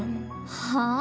はあ？